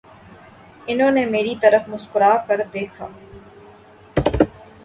انہوں نے میرے طرف مسکرا کر دیکھا